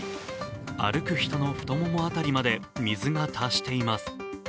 歩く人の太もも辺りまで水が達しています。